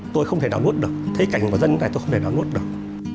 tôi không thể nào nuốt được thấy cảnh của dân như thế này tôi không thể nào nuốt được